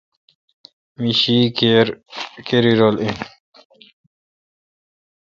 می شی کری رل این۔